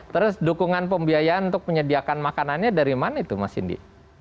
terus dukungan pembiayaan untuk menyediakan makanannya dari mana itu mas indi